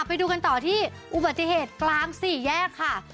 ไปดูกันต่อที่อุบัติเหตุกลางสี่แยกค่ะ